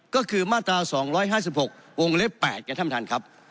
ก็คือมาตรา๒๕๖วงเล็ก๘เดี๋ยวท่านประทานครับ